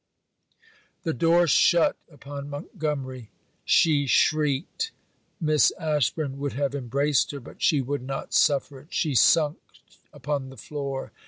The door shut upon Montgomery, she shrieked. Miss Ashburn would have embraced her, but she would not suffer it. She sunk upon the floor.